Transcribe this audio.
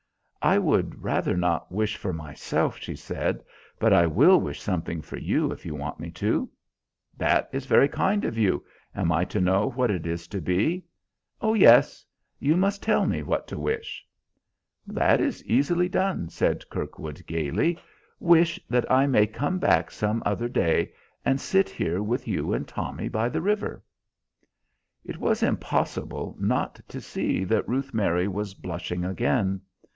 "I would rather not wish for myself," she said, "but I will wish something for you, if you want me to." "That is very kind of you. Am I to know what it is to be?" "Oh yes. You must tell me what to wish." "That is easily done," said Kirkwood gayly. "Wish that I may come back some other day, and sit here with you and Tommy by the river." It was impossible not to see that Ruth Mary was blushing again.